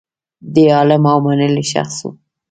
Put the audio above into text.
دی عالم او منلی شخص و.